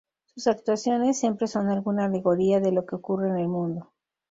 Sus actuaciones siempre son alguna alegoría de lo que ocurre en el mundo.